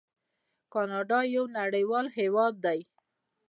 کاناډا یو نړیوال هیواد دی.